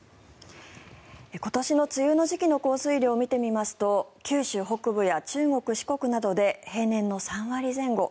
今年の梅雨の時期の降水量を見てみますと九州北部や中国・四国などで平年の３割前後。